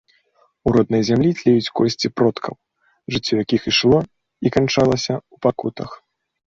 У роднай зямлі тлеюць косці продкаў, жыццё якіх ішло і канчалася ў пакутах.